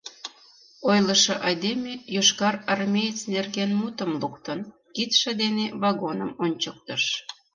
Ойлышо айдеме йошкарармеец нерген мутым луктын, кидше дене вагоным ончыктыш: